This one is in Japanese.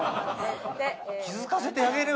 気付かせてあげろよ